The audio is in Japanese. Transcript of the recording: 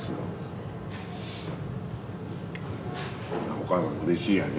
お母さんうれしいよね。